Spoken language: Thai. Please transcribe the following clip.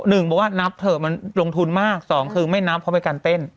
หนึ่งบอกว่านับเถอะมันลงทุนมากสองคือไม่นับเพราะเป็นการเต้น